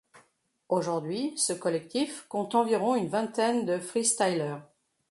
Aujourd'hui ce collectif compte environ une vingtaine de freestyler.